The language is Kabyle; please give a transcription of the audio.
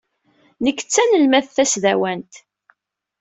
Nekk d tanelmadt tasdawant.